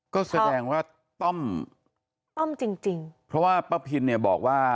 ก็แสดงว่าต้อมต้อมจริงจริงเพราะว่าป้าพินเนี่ยบอกว่า